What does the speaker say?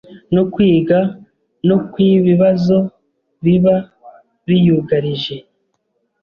no kwiga no ku ibibazo biba biyugarije